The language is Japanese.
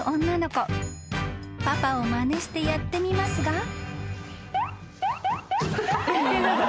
［パパをまねしてやってみますが］